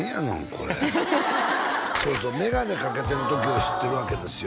これそうそう眼鏡かけてる時を知ってるわけですよ